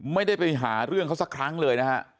ไม่ได้ไปหาเรื่องเขาสักครั้งเลยนะฮะ